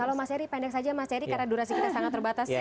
kalau mas eri pendek saja mas eri karena durasi kita sangat terbatas